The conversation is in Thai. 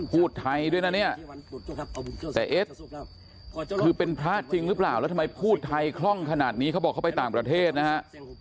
พูดไทยด้วยนะเนี่ยแต่เอสคือเป็นพระจริงหรือเปล่าแล้วทำไมพูดไทยคล่องขนาดนี้เขาบอกเขาไปต่างประเทศนะฮะ